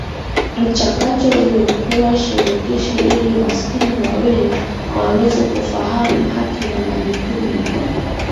Mchakato ulikuwa shirikishi ili maskini waweze kufahamu haki na majukumu yao